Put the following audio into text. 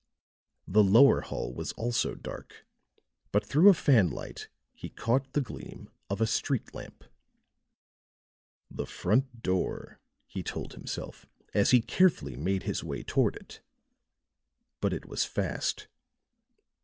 The lower hall was also dark; but through a fanlight he caught the gleam of a street lamp. "The front door," he told himself, as he carefully made his way toward it. But it was fast.